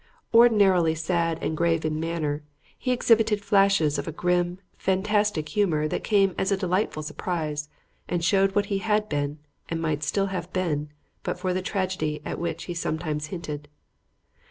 Ordinarily sad and grave in manner, he exhibited flashes of a grim, fantastic humor that came as a delightful surprise and showed what he had been, and might still have been, but for that tragedy at which he sometimes hinted.